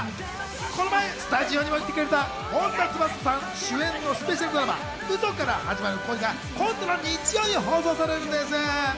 この前スタジオにも来てくれた本田翼さん主演のスペシャルドラマ『嘘から始まる恋』が今度の日曜に放送されるんです。